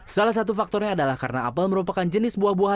salah satu faktornya adalah karena apple merupakan jenis buah